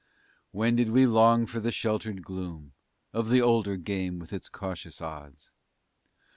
When did we long for the sheltered gloom Of the older game with its cautious odds?